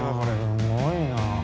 ◆すごいな。